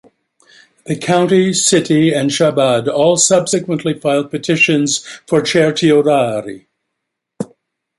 The county, city, and Chabad all subsequently filed petitions for certiorari.